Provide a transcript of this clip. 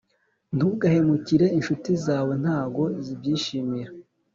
Ntugahemukire inshuti zawe ntago zibyishimira